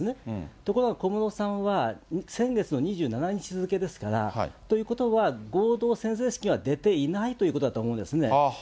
ところが小室さんは、先月の２７日付ですから、ということは、合同宣誓式には出ていないということだと思うんですね。